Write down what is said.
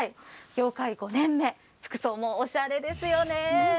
業界５年目、服装もおしゃれですよね。